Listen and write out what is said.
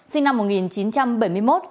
sinh năm một nghìn chín trăm bảy mươi một